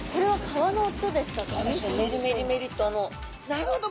なるほど。